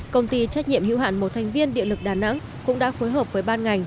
công ty trách nhiệm hữu hạn một thành viên địa lực đà nẵng cũng đã phối hợp với ban ngành